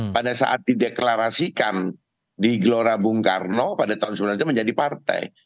pada saat dideklarasikan di gelora bung karno pada tahun seribu sembilan ratus menjadi partai